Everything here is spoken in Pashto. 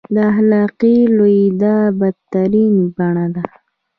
د اخلاقي لوېدا بدترینه بڼه ده.